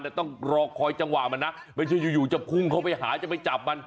แต่ต้องรอคอยจังหวะมันนะไม่ใช่อยู่จะพุ่งเข้าไปหาจะไปจับมัน